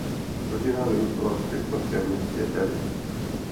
Rodina vyrůstala v texaském městě Alice.